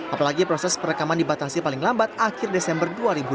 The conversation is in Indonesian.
apalagi proses perekaman dibatasi paling lambat akhir desember dua ribu dua puluh